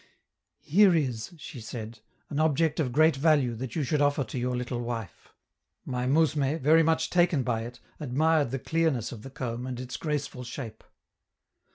"Here is," she said, "an object of great value that you should offer to your little wife." My mousme, very much taken by it, admired the clearness of the comb and its graceful shape.